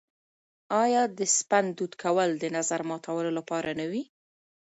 آیا د سپند دود کول د نظر ماتولو لپاره نه وي؟